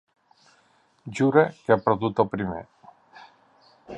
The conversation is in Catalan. Jura que ha perdut el primer.